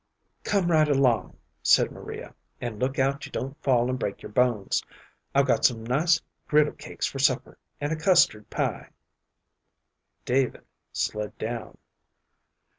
"Come right along," said Maria, "and look out you don't fall and break your bones. I've got some nice griddle cakes for supper and a custard pie." David slid down.